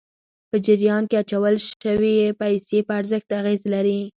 په جریان کې اچول شويې پیسې په ارزښت اغېز لري.